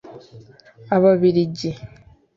Ababiligi